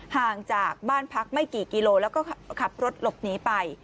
ห่างจากบ้านพักไม่กี่กิโลแล้วก็ขับรถหลบหนีไป